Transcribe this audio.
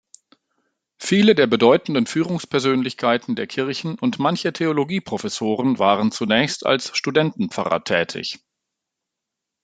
Viele der bedeutenden Führungspersönlichkeiten der Kirchen und manche Theologieprofessoren waren zunächst als Studentenpfarrer tätig.